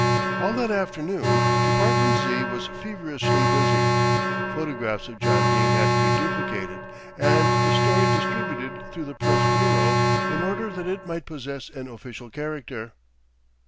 All that afternoon Department Z. was feverishly busy. Photographs of John Dene had to be duplicated, and the story distributed through the Press Bureau, in order that it might possess an official character.